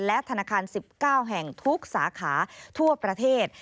และธนาคาร๑๙แห่งทุกสาขาทั่วประเทศ